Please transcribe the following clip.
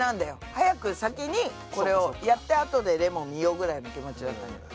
早く先にこれをやったあとでレモン見ようぐらいの気持ちだったんじゃない？